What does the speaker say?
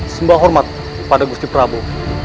semua hormat pada gusti prabowo